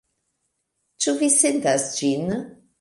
Ĉu vi sentas ĝin?